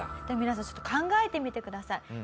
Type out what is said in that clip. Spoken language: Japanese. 皆さんちょっと考えてみてください。